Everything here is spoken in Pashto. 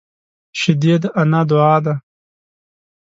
شیدې د انا دعا ده